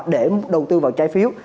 để đầu tư vào trái phiếu